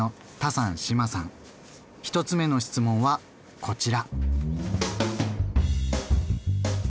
１つ目の質問はこちら。